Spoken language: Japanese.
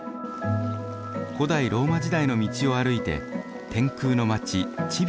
古代ローマ時代の道を歩いて天空の街チヴィタへ。